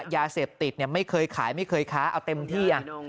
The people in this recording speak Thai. ยาเสพติดไม่เคยขายไม่เคยค้าเอาเต็มที่